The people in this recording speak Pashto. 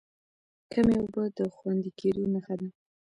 کمې اوبه د خوندي کېدو نښه ده.